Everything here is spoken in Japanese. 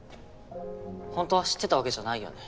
本当は知ってたわけじゃないよね？